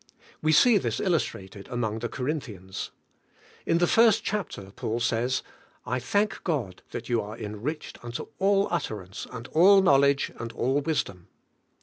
We see this illustrated among the Cor inthians. In the first chapter Paul says, "I thank God that you are enriched unto all utterance, and all knowledge, and all wisdom."